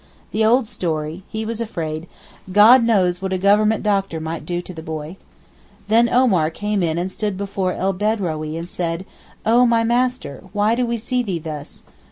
The old story! He was afraid, 'God knows what a government doctor might do to the boy.' Then Omar came in and stood before El Bedrawee and said, 'Oh my master, why do we see thee thus?